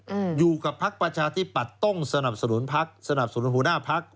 อืมอยู่กับพักประชาธิปัตย์ต้องสนับสนุนพักสนับสนุนหัวหน้าพัก